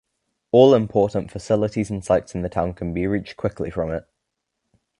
All important facilities and sights in the town can be reached quickly from it.